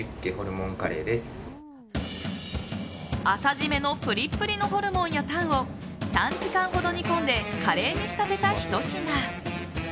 朝締めのプリップリのホルモンやタンを３時間ほど煮込んでカレーに仕立てたひと品。